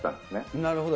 なるほど。